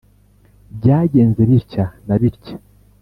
byagenze bitya na bitya.